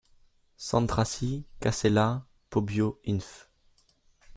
Centrassi, Casella, Pobbio Inf.